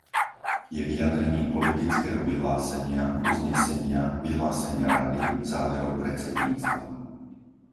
Je vyjadrením politického vyhlásenia, uznesenia, vyhlásenia Rady, záverov predsedníctva.